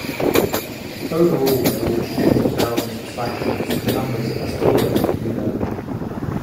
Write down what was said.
Overall, though, with tens of thousands of cyclists, the numbers are still relatively low.